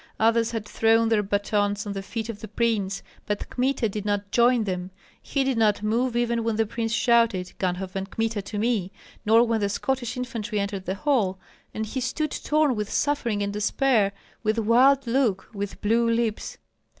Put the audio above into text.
Others had thrown their batons at the feet of the prince, but Kmita did not join them; he did not move even when the prince shouted, "Ganhoff and Kmita, to me!" nor when the Scottish infantry entered the hall; and he stood torn with suffering and despair, with wild look, with blue lips.